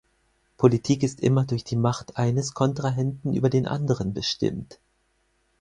Politik ist immer durch die Macht eines Kontrahenten über den anderen bestimmt.